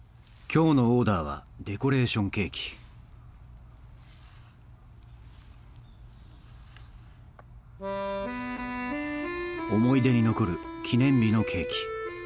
今日のオーダーはデコレーションケーキ思い出に残る記念日のケーキ。